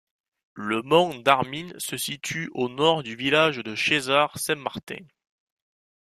Le mont d’Armin se situe au nord du village de Chézard-Saint-Martin.